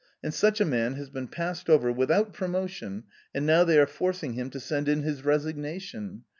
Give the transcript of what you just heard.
And such a man has been passed over, without promotion, and now they are forcing him to send in his resignation.